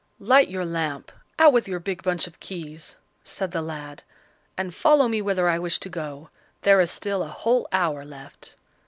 "Light your lamp; out with your big bunch of keys," said the lad, "and follow me whither I wish to go. There is still a whole hour left."